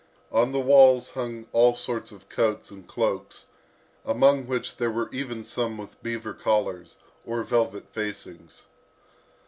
On the walls hung all sorts of coats and cloaks, among which there were even some with beaver collars, or velvet facings.